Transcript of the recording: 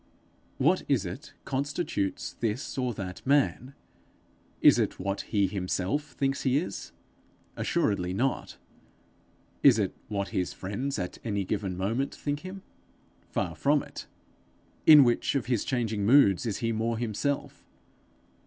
What is it constitutes this or that man? Is it what he himself thinks he is? Assuredly not. Is it what his friends at any given moment think him? Far from it. In which of his changing moods is he more himself?